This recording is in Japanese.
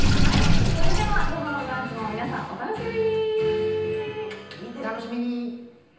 それでは午後の「ブランチ」も皆さんお楽しみに。